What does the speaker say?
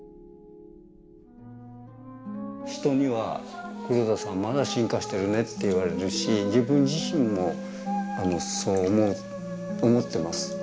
人には「黒田さんまだ進化してるね」って言われるし自分自身もそう思ってます。